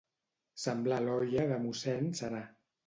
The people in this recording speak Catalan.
Semblar l'olla de mossèn Serà.